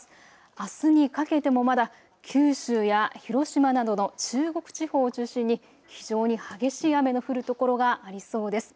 あすにかけてもまだ、九州や広島などの中国地方を中心に非常に激しい雨が降るところがありそうです。